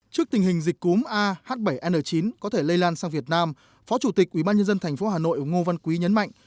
trước tình hình dịch cúm ah bảy n chín có thể lây lan sang việt nam phó chủ tịch ubnd tp hà nội ngô văn quý nhấn mạnh